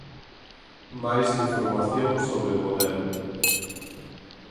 Máis información sobre o modelo